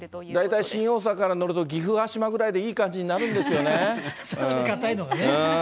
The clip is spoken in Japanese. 大体新大阪から乗ると、岐阜羽島ぐらいでいい感じになるんでかたいのがね。